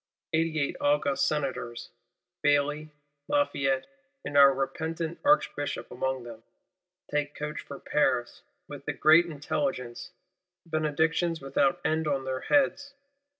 Eighty eight august Senators, Bailly, Lafayette, and our repentant Archbishop among them, take coach for Paris, with the great intelligence; benedictions without end on their heads.